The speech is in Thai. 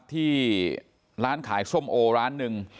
ที่ร้านขายส้มโอร้านหนึ่ง